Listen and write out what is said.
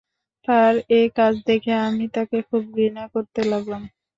তার এ কাজ দেখে আমি তাকে খুব ঘৃণা করতে লাগলাম।